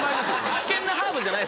危険なハーブじゃない。